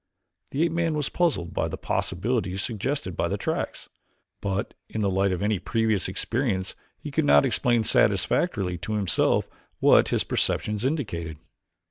The ape man was puzzled by the possibilities suggested by the tracks, but in the light of any previous experience he could not explain satisfactorily to himself what his perceptions indicated.